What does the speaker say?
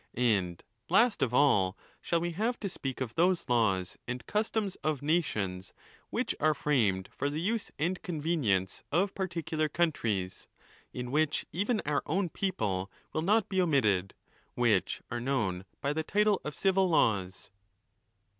And last of all, shall we have to speak of those laws and customs of_ nations, which are framed for the use and convenience of par= ticular countries, (in which even our own people will not be omitted,) which are known by the title of civil laws.